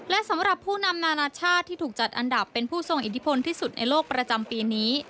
และสำหรับผู้นำนานาชาติที่ถูกจัดอันดับเป็นผู้ทรงอิทธิพลที่สุดในโลกประจำปีนี้